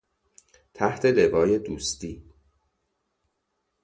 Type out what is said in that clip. تحت لوای دوستی